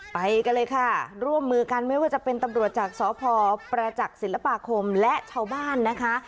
ไปกันเลยค่ะร่วมมือกันไม่ว่าจะเป็นตำรวจจากสพประจักษ์ศิลปาคมและชาวบ้านนะคะ